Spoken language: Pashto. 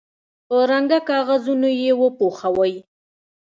په رنګه کاغذونو یې وپوښوئ.